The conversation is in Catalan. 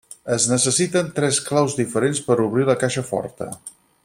Es necessiten tres claus diferents per obrir la caixa forta.